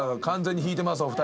完全に引いてます